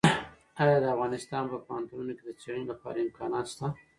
ایا د افغانستان په پوهنتونونو کې د څېړنې لپاره امکانات شته؟